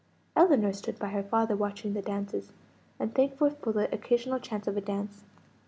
Ellinor stood by her father watching the dances, and thankful for the occasional chance of a dance.